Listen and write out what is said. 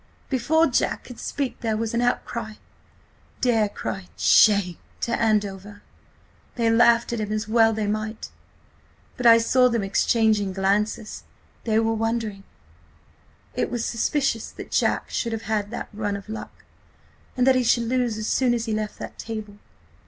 "Before Jack could speak there was an outcry. Dare cried 'Shame!' to Andover. They laughed at him, as well they might. But I saw them exchange glances–they were wondering. ... It was suspicious that Jack should have had that run of luck–and that he should lose as soon as he left that table.